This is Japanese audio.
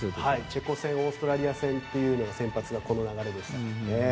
チェコ戦オーストラリア戦というのは先発がこの流れでしたからね。